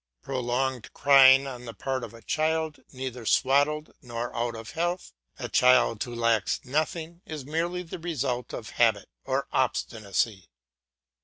Prolonged crying on the part of a child neither swaddled nor out of health, a child who lacks nothing, is merely the result of habit or obstinacy.